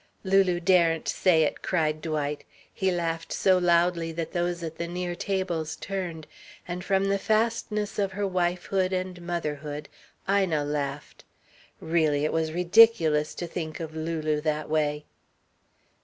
"Lulu daren't say it!" cried Dwight. He laughed so loudly that those at the near tables turned. And, from the fastness of her wifehood and motherhood, Ina laughed. Really, it was ridiculous to think of Lulu that way....